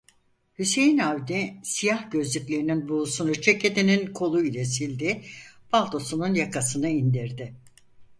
Hüseyin Avni, siyah gözlüklerinin buğusunu ceketinin kolu ile sildi, paltosunun yakasını indirdi.